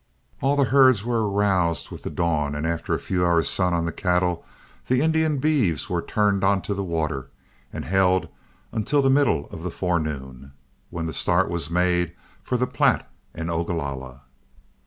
All the herds were aroused with the dawn, and after a few hours' sun on the cattle, the Indian beeves were turned onto the water and held until the middle of the forenoon, when the start was made for the Platte and Ogalalla.